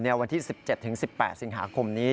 วันที่๑๗๑๘สิงหาคมนี้